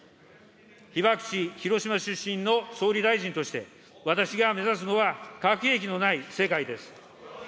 被爆地、広島出身の総理大臣として、私が目指すのは、核兵器のない世界です。